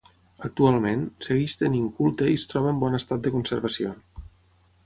Actualment, segueix tenint culte i es troba en bon estat de conservació.